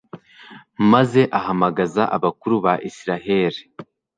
maze ahamagaza abakuru ba israheli